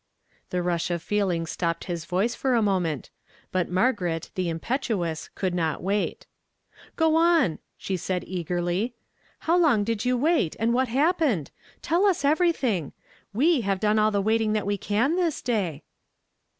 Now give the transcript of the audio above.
The rush of feeling stopped his voice for a moment i but Margaret, the impetuous, could not wait. " Go on !" she said eagerly. " How long did you wait, and what happened? Tell us every thing. We have done all the waiting that we can this day."